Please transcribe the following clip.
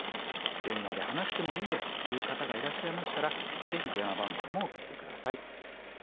電話で話してもいいよという方がいらっしゃいましたらぜひ電話番号も送って下さい。